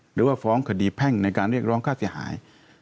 หรือว่าฟ้องคดีแพ่งในการเรียกร้องค่าเสียหาย